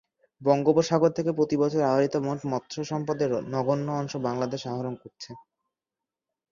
বঙ্গোপসাগর থেকে প্রতিবছর আহরিত মোট মৎস্য সম্পদের নগণ্য অংশ বাংলাদেশ আহরণ করছে।